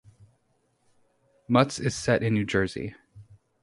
Mutts is set in New Jersey.